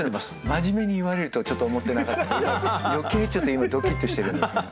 真面目に言われると思ってなかったんで余計ちょっと今ドキッとしてるんですが。